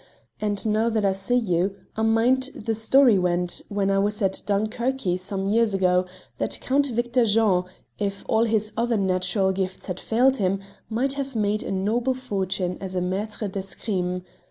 And now that I see you, I mind the story went, when I was at Dunkerque some years ago, that Count Victor Jean, if all his other natural gifts had failed him, might have made a noble fortune as a maître d'escrime.